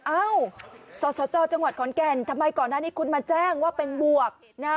เอ้าสสจจังหวัดขอนแก่นทำไมก่อนหน้านี้คุณมาแจ้งว่าเป็นบวกนะ